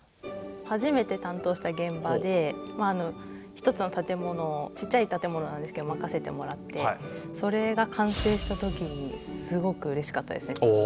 初めて担当した現場で１つの建物ちっちゃい建物なんですけど任せてもらってそれが完成したときにすごくうれしかったですね。